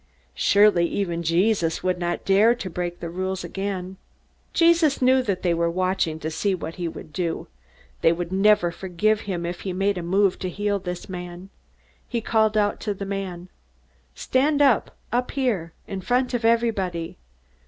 Surely even Jesus would not dare to break the rules again! Jesus knew that they were watching to see what he would do. They would never forgive him if he made a move to heal this man. He called out to the man, "Stand up up here, in front of everybody!"